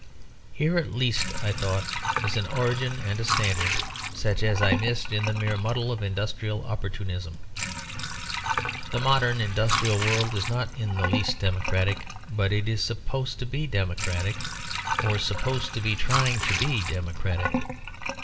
Here at least, I thought, is an origin and a standard, such as I missed in the mere muddle of industrial opportunism. The modern industrial world is not in the least democratic; but it is supposed to be democratic, or supposed to be trying to be democratic.